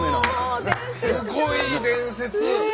すごい伝説。ね。